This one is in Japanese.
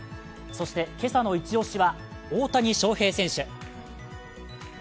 そして今朝のイチ押しは大谷翔平選手。